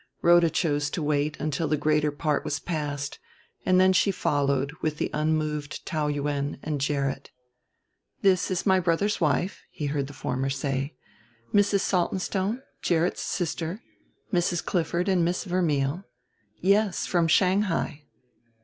Rhoda chose to wait until the greater part was past, and then she followed with the unmoved Taou Yuen and Gerrit. "This is my brother's wife," he heard the former say. "Mrs. Saltonstone, Gerrit's sister, Mrs. Clifford and Miss Vermeil. Yes... from Shanghai.